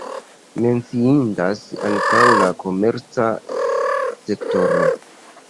Menciindas ankaŭ la komerca sektoro.